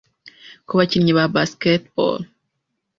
ku bakinnyi ba Basketball